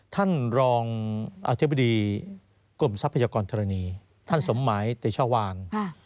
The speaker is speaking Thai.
ท่านรองอธิบดีกรมทรัพยากรธรณีท่านสมหมายเตชวาน